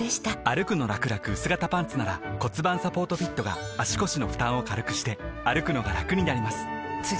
「歩くのらくらくうす型パンツ」なら盤サポートフィットが足腰の負担を軽くしてくのがラクになります覆个△